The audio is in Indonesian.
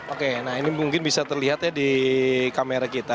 oke nah ini mungkin bisa terlihat ya di kamera kita